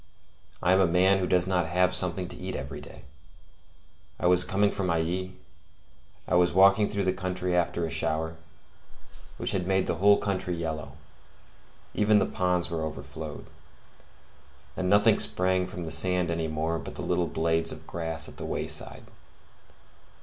I am a man who does not have something to eat every day. I was coming from Ailly; I was walking through the country after a shower, which had made the whole country yellow: even the ponds were overflowed, and nothing sprang from the sand any more but the little blades of grass at the wayside.